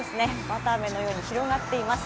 綿あめのように広がっています。